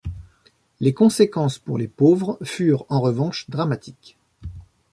Les conséquences pour les pauvres furent, en revanche, dramatiques.